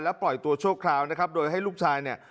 ปล่อยตัวชั่วคราวนะครับโดยให้ลูกชายเนี่ย